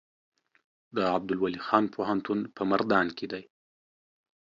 د عبدالولي خان پوهنتون په مردان کې دی